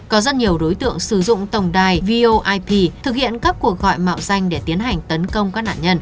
có rất nhiều đối tượng sử dụng tổng đài voip thực hiện các cuộc gọi mạo danh để tiến hành tấn công các nạn nhân